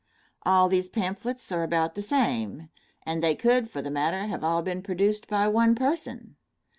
All these pamphlets are about the same, and they could, for the matter, have all been produced by one person.